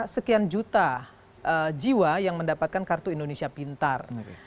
sekian juta jiwa yang mendapatkan kartu indonesia pintar